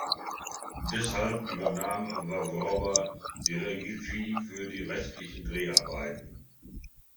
Deshalb übernahm Vávrová die Regie für die restlichen Dreharbeiten.